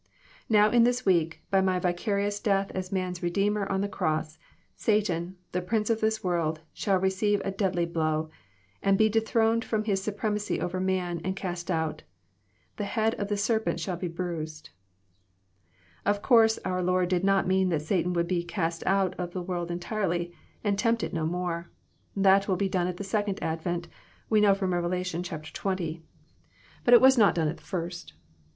" Now in this week, by my vicarious death as man's Redeemer on the cross, Satan, the Prince of this world, shall receive a deadly blow, and be dethroned fk'om his supremacy over man, and cast out. The head of the serpent shall be bruised." Of course our Lord did not mean that Satan would be *^ cast out " of this world entirely, and tempt it no more. That will he done at the second advent, we know from Rev. xz. ; but it was 854 EXPOsrroBY thoughts. not done at the first.